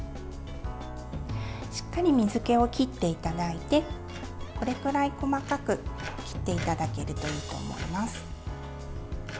しっかり水けを切っていただいてこれくらい細かく切っていただけるといいと思います。